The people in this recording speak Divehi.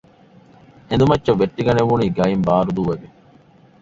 އެނދު މައްޗަށް ވެއްޓިގަނެވުނީ ގައިން ބާރު ދޫވެގެން